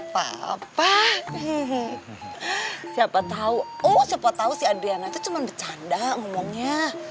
papa siapa tahu oh siapa tahu si adrian aja cuman bercanda ngomongnya